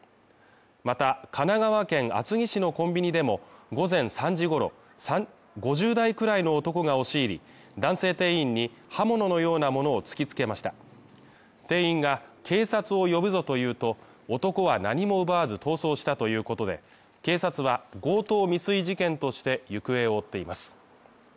また、神奈川県厚木市のコンビニでも午前３時ごろ、５０代くらいの男が押し入り、男性店員に刃物のようなものを突きつけました店員が警察を呼ぶぞというと、男は何も奪わず逃走したということで警察は強盗未遂事件として行方を追っています。